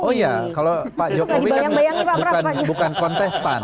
oh iya kalau pak jokowi kan bukan kontestan